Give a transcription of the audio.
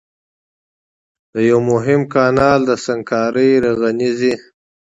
د يوه مهم کانال د سنګکارۍ رغنيزي